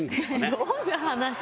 どんな話？